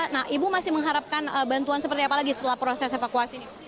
nah ibu masih mengharapkan bantuan seperti apa lagi setelah proses evakuasi ini